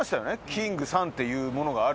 きんぐさんっていうものがある。